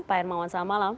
pak hermawan selamat malam